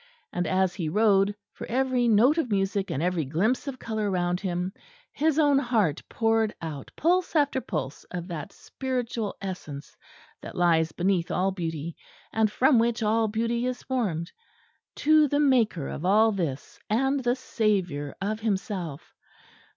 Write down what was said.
And as he rode, for every note of music and every glimpse of colour round him, his own heart poured out pulse after pulse of that spiritual essence that lies beneath all beauty, and from which all beauty is formed, to the Maker of all this and the Saviour of himself.